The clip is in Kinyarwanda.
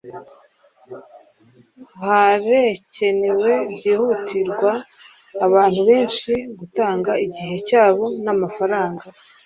harakenewe byihutirwa abantu benshi gutanga igihe cyabo namafaranga